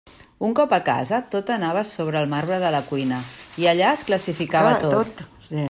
Un cop a casa, tot anava a sobre el marbre de la cuina, i allà es classificava tot.